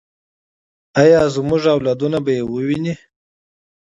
آیا زموږ اولادونه به یې وویني؟